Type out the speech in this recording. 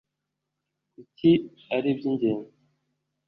Kuki ari iby’ingenzi?